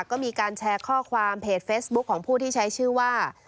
ก็มีการแชร์ข้อความเพจเฟซบุ๊คของผู้ที่ใช้ชื่อว่า